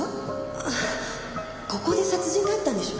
あっここで殺人があったんでしょ？